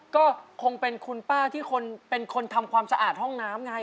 ก็คงเป็นคุณป้าที่เป็นคนทำความสะอาดห้องน้ำไง